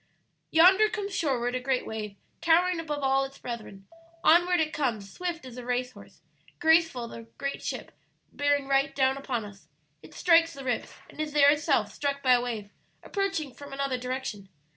"Yonder comes shoreward a great wave, towering above all its brethren. Onward it comes, swift as a race horse, graceful as a great ship, bearing right down upon us. It strikes 'The Rips,' and is there itself struck by a wave approaching from another direction.